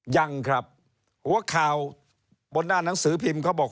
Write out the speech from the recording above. ยังครับหัวข่าวบนหน้าหนังสือพิมพ์เขาบอก